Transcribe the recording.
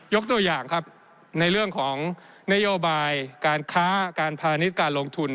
ตัวอย่างครับในเรื่องของนโยบายการค้าการพาณิชย์การลงทุน